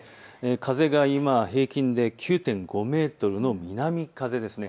風が今、平均で９．５メートルの南風です。